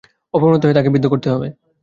অপ্রমত্ত হয়ে তাঁকে বিদ্ধ করতে হবে।